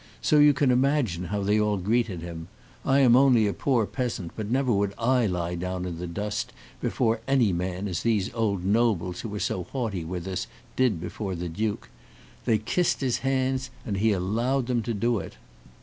So you can imagine how they all greeted him! I am only a poor peasant, but never would I lie down in the dust before any man as these old nobles who are so haughty with us, did before the duke. They kissed his hands, and he allowed them to do it.